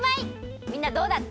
みんなどうだった？